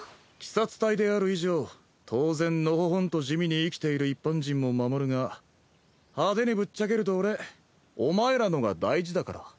鬼殺隊である以上当然のほほんと地味に生きている一般人も守るが派手にぶっちゃけると俺お前らのが大事だから。